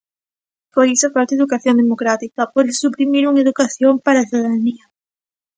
Por iso falta educación democrática, por iso suprimiron Educación para a Cidadanía...